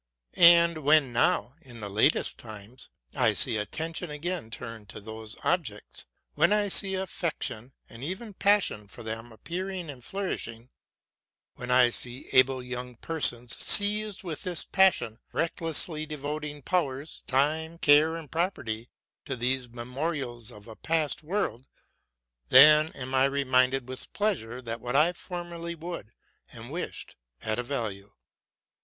But when now, in the latest times, I see attention again turned to those objects ; when I see affection, and even passion, for them appearing and flourishing ; when I see able young per sons seized with this passion, recklessly devoting powers, time, care, and property to these memorials of a past world, —then am I reminded with pleasure that what I formerly would and wished had a value.